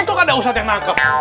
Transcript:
untuk ada ustaz yang nangkep